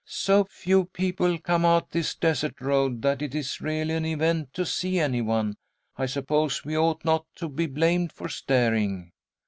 "So few people come out this desert road, that it is really an event to see any one. I suppose we ought not to be blamed for staring."